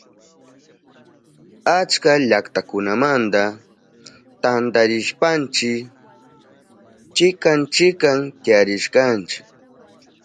Achka llaktakunamanta tantarishpanchi chikan chikan tiyarishkanchi.